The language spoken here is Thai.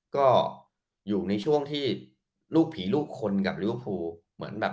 ก็อยู่ในช่วงที่ลูกผีลูกคนกับลิเวอร์ฟูเหมือนแบบ